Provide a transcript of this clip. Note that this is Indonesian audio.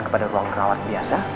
kepada ruang kerawat biasa